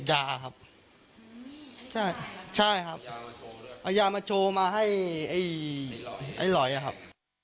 ไม่เคยครับ